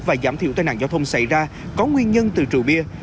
và giảm thiểu tai nạn giao thông xảy ra có nguyên nhân từ trụ bia